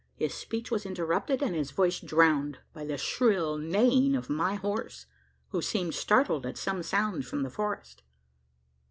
His speech was interrupted, and his voice drowned, by the shrill neighing of my horse who seemed startled at some sound from the forest.